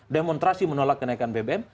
demonstrasi menolak kenaikan bbm